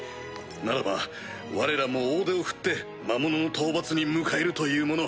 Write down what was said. ならばわれらも大手を振って魔物の討伐に向かえるというもの。